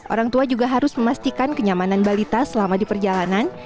orang tua juga harus memastikan kenyamanan balita selama di perjalanan